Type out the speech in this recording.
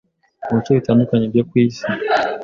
mu bice bitandukanye byo ku isi